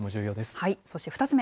そして２つ目。